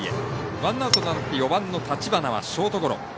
ワンアウトとなって４番の立花はショートゴロ。